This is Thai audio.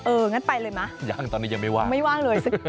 เอองั้นไปเลยมั้ยไม่ว่างเลยสักวันยังตอนนี้ยังไม่ว่าง